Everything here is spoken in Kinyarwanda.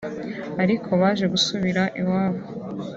ariko baje gusubira iwabo